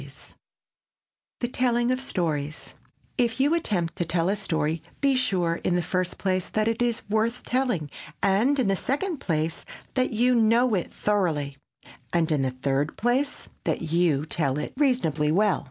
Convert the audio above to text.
[Sidenote: THE TELLING OF STORIES] If you attempt to tell a story, be sure, in the first place, that it is worth telling, and in the second place, that you know it thoroughly, and in the third place, that you tell it reasonably well.